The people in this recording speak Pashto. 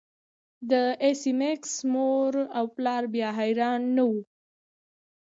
د ایس میکس مور او پلار بیا حیران نه وو